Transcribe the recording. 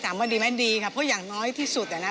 ว่าดีไหมดีค่ะเพราะอย่างน้อยที่สุดอ่ะนะ